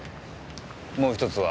もう１つは？